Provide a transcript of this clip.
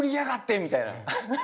みたいな。